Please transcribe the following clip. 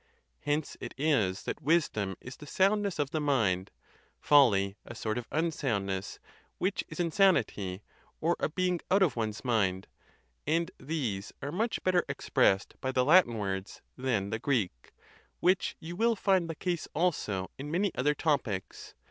Hence it is that wisdom is the soundness of the mind, folly a sort of unsoundness, which is insanity, or a being out of one's mind: and these are much better ex pressed by the Latin words than the Greek, which you will find the case also in many other topics.